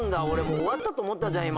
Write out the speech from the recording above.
もう終わったと思ったじゃん